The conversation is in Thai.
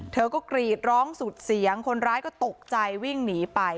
เธอก็กรีดร้องสุดเสียงคนร้ายก็ตกใจวิ่งหนีไป